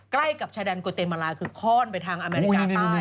ใกล้กับชายแดนโกเตมาลาคือคล่อนไปทางอเมริกาใต้